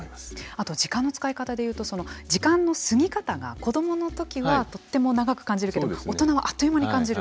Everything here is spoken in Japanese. あとは時間の使い方で言うと時間の過ぎ方が子どもの時はとっても長く感じるけど大人はあっという間に感じる。